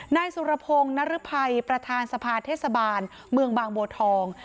นายสุรพงศ์นรภัยประธานสภาเทศบาลเมืองบางบัวทอง